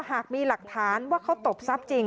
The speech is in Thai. หากมีหลักฐานว่าเขาตบทรัพย์จริง